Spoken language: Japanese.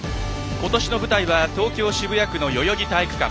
ことしの舞台は東京・渋谷区の代々木第一体育館。